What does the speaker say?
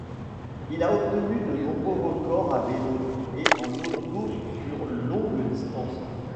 Il a obtenu de nombreux records à vélo et en auto sur longues distances.